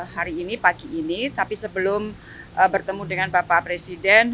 hari ini pagi ini tapi sebelum bertemu dengan bapak presiden